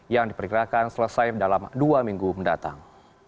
yang diperkirakan selesai dalam dua minggu mendatang